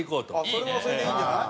それはそれでいいんじゃない？